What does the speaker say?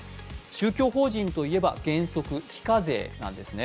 宗教法人といえば原則、非課税なんですね。